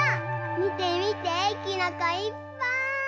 みてみてきのこいっぱい！